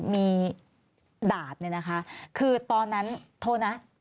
มีดาบเนี่ยนะคะคือตอนนั้นโทษนะ